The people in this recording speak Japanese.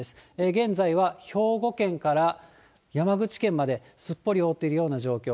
現在は兵庫県から山口県まで、すっぽり覆っているような状況。